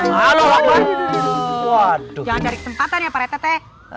jangan dari kesempatan ya parete